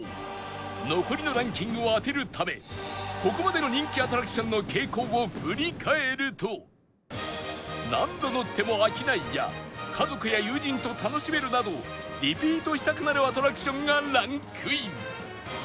残りのランキングを当てるためここまでの人気アトラクションの傾向を振り返るとなどリピートしたくなるアトラクションがランクイン